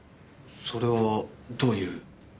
それはどういう？